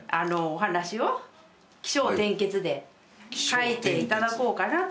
描いていただこうかなと。